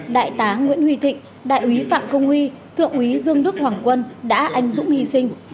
đại tá nguyễn huy thịnh đại úy phạm công huy thượng úy dương đức hoàng quân đã anh dũng hy sinh